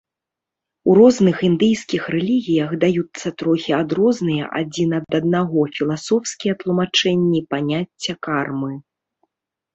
У розных індыйскіх рэлігіях даюцца трохі адрозныя адзін ад аднаго філасофскія тлумачэнні паняцця кармы.